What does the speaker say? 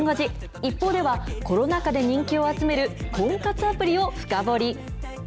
ＩＰＰＯＵでは、コロナ禍で人気を集める婚活アプリを深掘り。